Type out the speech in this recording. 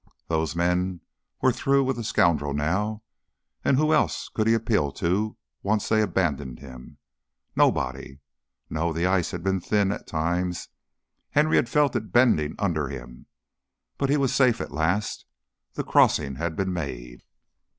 Those men were through with the scoundrel now, and who else could he appeal to, once they abandoned him? Nobody. No, the ice had been thin, at times Henry had felt it bending under him but he was safe at last. The crossing had been made.